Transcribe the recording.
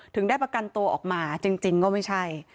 ได้ประกันตัวออกมาจริงก็ไม่ใช่